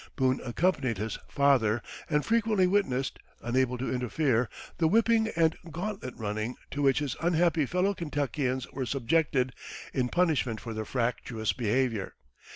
Boone accompanied his "father," and frequently witnessed, unable to interfere, the whipping and "gauntlet running" to which his unhappy fellow Kentuckians were subjected in punishment for their fractious behavior.